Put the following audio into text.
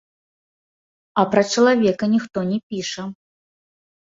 А пра чалавека ніхто не піша.